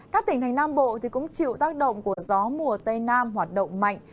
các tỉnh thành nam bộ cũng chịu tác động của gió mùa tây nam hoạt động mạnh